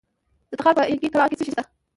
د تخار په ینګي قلعه کې څه شی شته؟